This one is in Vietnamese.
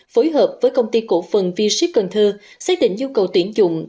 phối hợp với công ty cổ phần v ship cần thơ xác định nhu cầu tuyển dụng